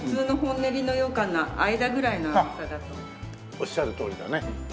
おっしゃるとおりだね。